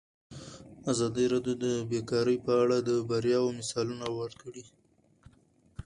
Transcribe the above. ازادي راډیو د بیکاري په اړه د بریاوو مثالونه ورکړي.